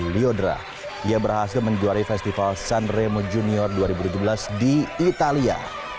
leap honestly ia berhasil menjuari festival sanremo junior dua ribu tujuh belas di italia